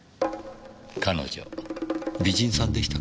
彼女美人さんでしたか？